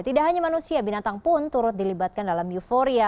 tidak hanya manusia binatang pun turut dilibatkan dalam euforia